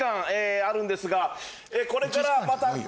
あるんですがこれからまた午後の部に。